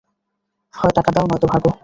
হয় টাকা দাও, নয়তো ভাগো।